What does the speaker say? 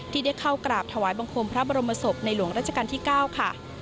ที่ได้เข้ากราบถวายบังคมพระบรมศพในหลวงราชการที่๙ค่ะ